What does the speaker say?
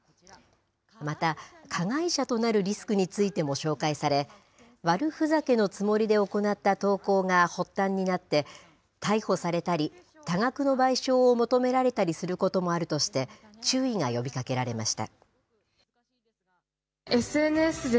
また加害者となるリスクについても紹介され、悪ふざけのつもりで行った投稿が発端になって逮捕されたり、多額の賠償を求められたりすることもあるとして、注意が呼びかけられました。